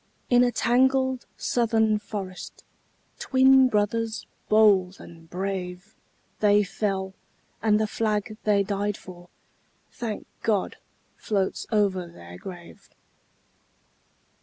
In a tangled Southern forest, Twin brothers bold and brave, They fell; and the flag they died for, Thank God! floats over their grave.